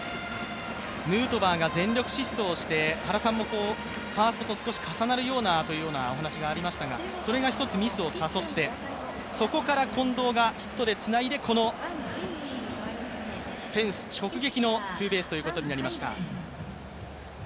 ヌートバーが全力疾走して、原さんもファーストと少し重なるようなというお話がありましたが、それがひとつミスを誘って、そこから近藤がヒットでつないでこのフェンス直撃のツーベースということになりました。